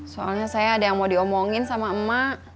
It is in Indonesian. soalnya saya ada yang mau diomongin sama emak